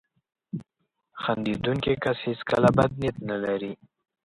• خندېدونکی کس هیڅکله بد نیت نه لري.